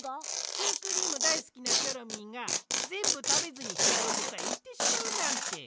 シュークリームだいすきなチョロミーがぜんぶたべずにどこかへいってしまうなんて。